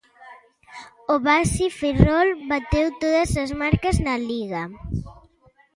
O Baxi Ferrol bateu todas as marcas na Liga.